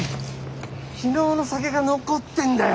昨日の酒が残ってんだよ。